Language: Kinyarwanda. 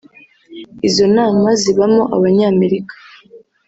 “Izo nama zibamo Abanyamerika